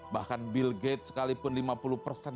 bahkan bill gate sekalipun lima puluh persen